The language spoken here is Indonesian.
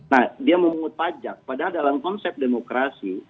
nah dia memungut pajak padahal dalam konsep demokrasi